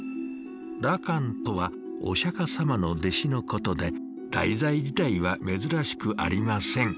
羅漢とはお釈様の弟子のことで題材自体は珍しくありません。